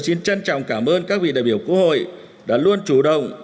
xin trân trọng cảm ơn các vị đại biểu quốc hội đã luôn chủ động